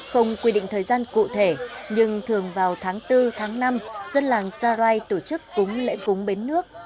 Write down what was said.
chỉ định thời gian cụ thể nhưng thường vào tháng bốn tháng năm dân làng gia rai tổ chức cúng lễ cúng bến nước